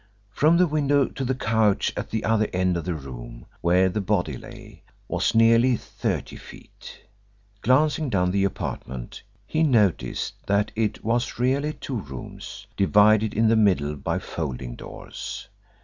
From the window to the couch at the other end of the room, where the body lay, was nearly thirty feet. Glancing down the apartment, he noticed that it was really two rooms, divided in the middle by folding doors.